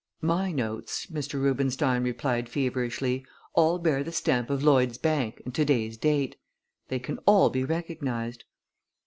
"My notes," Mr. Rubenstein replied feverishly, "all bear the stamp of Lloyd's Bank and to day's date. They can all be recognized."